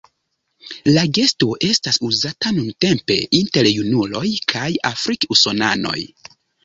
La gesto estas uzata nuntempe inter junuloj kaj afrik-usonanoj.